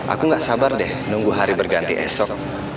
aku gak sabar deh nunggu hari berganti esok